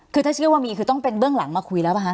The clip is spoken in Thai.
คือถ้าเชื่อว่ามีคือต้องเป็นเบื้องหลังมาคุยแล้วป่ะค